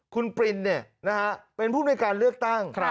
คุณปิลเนี่ยนะฮะเป็นผู้ในการเลือกตั้ง